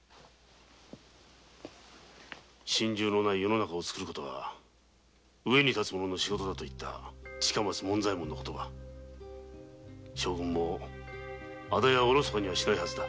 「心中のない世の中を作ることが上に立つ者の仕事だ」と言った近松門左ヱ門の言葉将軍もあだやおろそかにはしないはずだ。